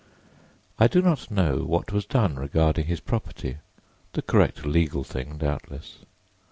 I do not know what was done regarding his property—the correct legal thing, doubtless.